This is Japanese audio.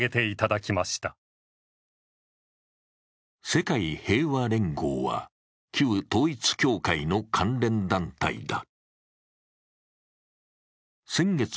世界平和連合は旧統一教会の関連団体だ。